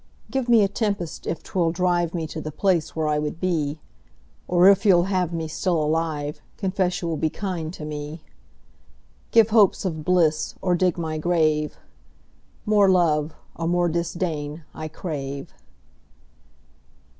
Give me a tempest if 'twill drive Me to the place where I would be; Or if you'll have me still alive, Confess you will be kind to me. 10 Give hopes of bliss or dig my grave: More love or more disdain I crave.